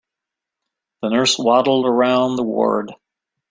The nurse waddled around the ward.